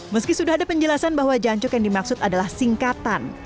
meski sudah ada penjelasan bahwa jancuk yang dimaksud adalah singkatan